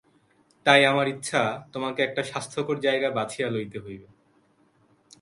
তাই আমার ইচ্ছা–তোমাকে একটা স্বাসথ্যকর জায়গা বাছিয়া লইতে হইবে।